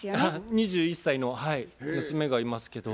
２１歳のはい娘がいますけど。